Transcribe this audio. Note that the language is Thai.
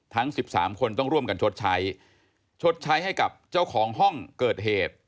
ทั้ง๑๓คนต้องร่วมกันชดใช้ชดใช้ให้กับเจ้าของห้องเกิดเหตุ